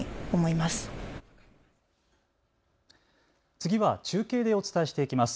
次は中継でお伝えしていきます。